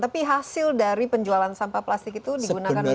tapi hasil dari penjualan sampah plastik itu digunakan untuk